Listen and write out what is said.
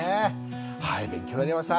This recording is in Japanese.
はい勉強になりました。